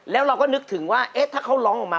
แล้วเราก็นึกถึงว่าถ้าเขาร้องออกมา